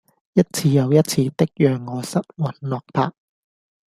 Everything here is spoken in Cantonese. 一次又一次的讓我失魂落魄